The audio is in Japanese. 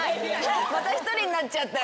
また１人になっちゃったよ。